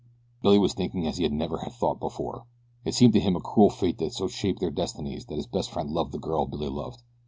Billy was thinking as he never had thought before. It seemed to him a cruel fate that had so shaped their destinies that his best friend loved the girl Billy loved.